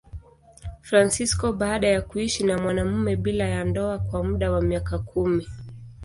Fransisko baada ya kuishi na mwanamume bila ya ndoa kwa muda wa miaka kumi.